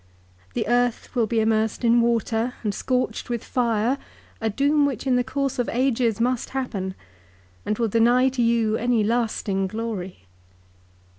The earth will be immersed in water and scorched with fire, a doom which in the course of ages must happen, and will deny to you any lasting glory.